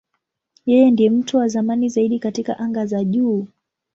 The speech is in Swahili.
Yeye ndiye mtu wa zamani zaidi katika anga za juu.